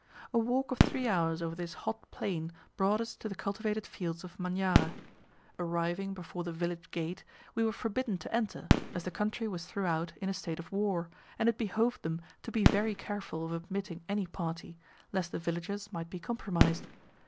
A walk of three hours over this hot plain brought us to the cultivated fields of Manyara. Arriving before the village gate, we were forbidden to enter, as the country was throughout in a state of war, and it behoved them to be very careful of admitting any party, lest the villagers might be compromised.